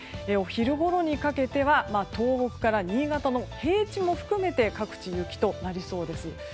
お昼ごろにかけては東北から新潟の平地も含めて各地、雪となりそうです。